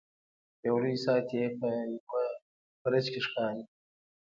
یو لوی ساعت یې په یوه برج کې ښکاري.